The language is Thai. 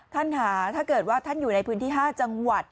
ท่านค่ะถ้าเกิดว่าท่านอยู่ในพื้นที่๕จังหวัด